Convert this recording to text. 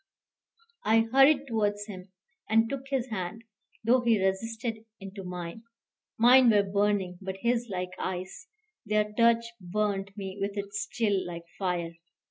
I hurried towards him, and took his hand, though he resisted, into mine. Mine were burning, but his like ice: their touch burnt me with its chill, like fire.